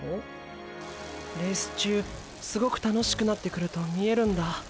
レース中すごく楽しくなってくると見えるんだ。